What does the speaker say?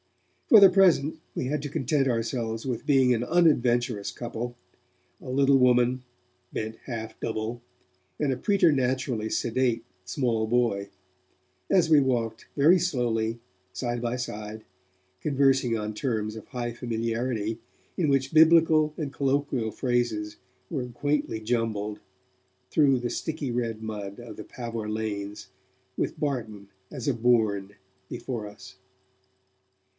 For the present, we had to content ourselves with being an unadventurous couple a little woman, bent half double, and a preternaturally sedate small boy as we walked very slowly, side by side, conversing on terms of high familiarity, in which Biblical and colloquial phrases were quaintly jumbled, through the sticky red mud of the Pavor lanes with Barton as a bourne before us.